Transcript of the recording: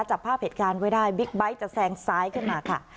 จับภาพเหตุการณ์ไว้ได้บิ๊กไบท์จะแซงซ้ายขึ้นมาค่ะ